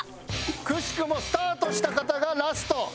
くしくもスタートした方がラスト。